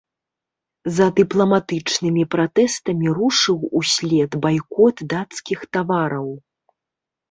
За дыпламатычнымі пратэстамі рушыў услед байкот дацкіх тавараў.